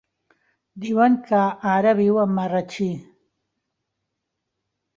Diuen que ara viu a Marratxí.